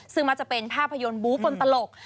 ซึ่งมักจะเป็นภาพยนตร์บู๊บนตลก